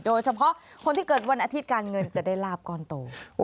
โดยเฉพาะคนที่เกิดวันอาทิตย์การเงินจะได้ลาบก้อนโต